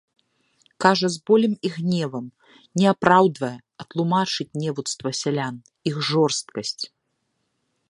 Кажа з болем і гневам, не апраўдвае, а тлумачыць невуцтва сялян, іх жорсткасць.